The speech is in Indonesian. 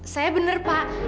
saya bener pak